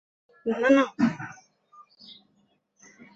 পরবর্তী কয়েক শতকে বিভিন্ন শিক্ষাকেন্দ্র বা টোলে এ ধারার আরও বিকাশ ঘটে।